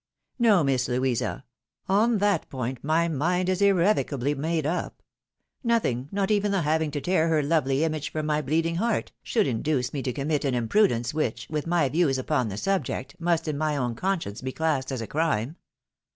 No, Miss Louisa ; on that point my mind is irrevocably made up. Nothing — ^not even the having to tear her lovely image from my bleeding heart — should induce me to commit an imprudence which, with my views upon the subject, must in my own conscience be classed as a crime.